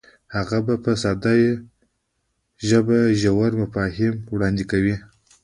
هغه په ساده ژبه ژور مفاهیم وړاندې کوي.